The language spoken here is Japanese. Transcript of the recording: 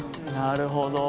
なるほど。